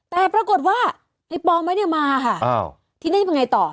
แต่ปรากฏว่าไอ้ปอไม่ได้มาทีนี้เป่าไงต่อ